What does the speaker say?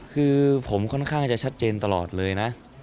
คือผมค่อนข้างจะชัดเจนตลอดเลยนะ